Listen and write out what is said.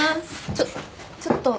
ちょっちょっと。